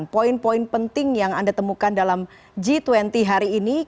poin poin penting yang anda temukan dalam g dua puluh hari ini